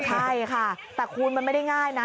ใช่ค่ะแต่คูณมันไม่ได้ง่ายนะ